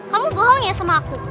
kamu bohong ya sama aku